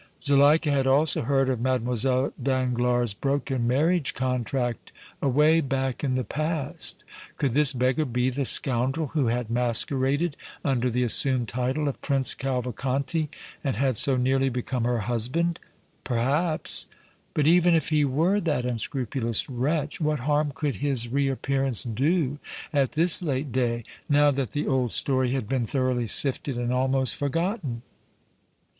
Zuleika had also heard of Mlle. Danglars' broken marriage contract away back in the past. Could this beggar be the scoundrel who had masqueraded under the assumed title of Prince Cavalcanti and had so nearly become her husband? Perhaps; but even if he were that unscrupulous wretch, what harm could his reappearance do at this late day, now that the old story had been thoroughly sifted and almost forgotten?